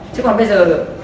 chứ còn bây giờ